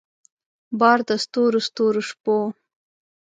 بار د ستورو ستورو شپو